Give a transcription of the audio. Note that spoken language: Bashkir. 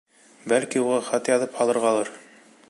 Бәлки, уға хат яҙып һалырғалыр.